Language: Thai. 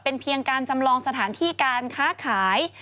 เป็นเพียงการจำลองสถานที่การค้าขาย